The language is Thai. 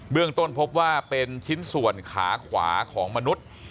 เรื่องต้นพบว่าเป็นชิ้นส่วนขาขวาของมนุษย์